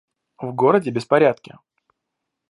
В городе беспорядки.